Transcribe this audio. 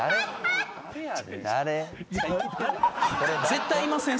絶対いません？